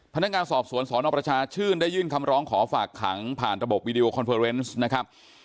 พนักงานสอบสวนสนประชาชื่นได้ยื่นคำร้องขอฝากขังผ่านระบบวิดีโอคอนเฟอร์เนสนะครับ